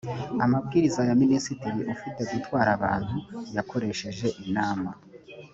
amabwiriza ya minisitiri ufite gutwara abantu yakoresheje inama